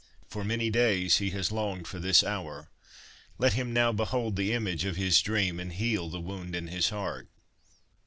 For many days he has longed for this hour, let him now behold the image of his dream and heal the wound in his heart.'